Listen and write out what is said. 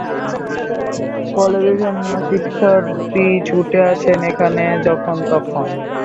ফলে বিভিন্ন শিক্ষার্থী ছুটে আসেন এখানে যখন-তখন।